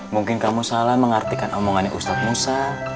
mungkin kamu salah mengartikan omongannya ustadz musa